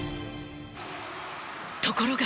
ところが。